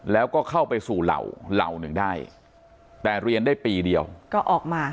แล้วก็เข้าไปสู่เหล่าเหล่าหนึ่งได้แต่เรียนได้ปีเดียวก็ออกมา